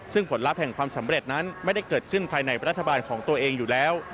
ซึ่งผลลัพธ์แห่งความสำเร็จนั้นไม่ได้เกิดขึ้นภายในรัฐบาลของตัวเองอยู่แล้ว